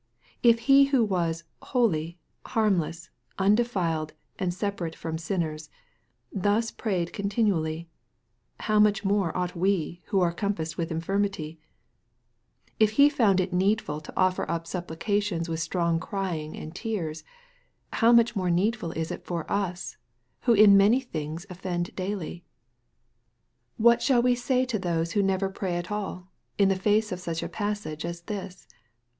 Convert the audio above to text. If He who was " holy, harmless, undefiled, and separate from sinners," thus prayed con tinually, how much more ought we who are compassed with infirmity ? If He found it needful to offer up suppli 18 EXPOSITORY THOUGHTS, cations with strong crying and tears, how much more needful is it for us, who in many things offend daily ? What shall we say to those who never pray at all, in the face of such a passage as this